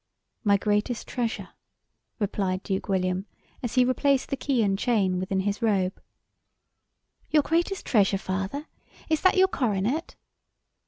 "My greatest treasure," replied Duke William, as he replaced the chain and key within his robe. "Your greatest treasure, father! Is that your coronet?"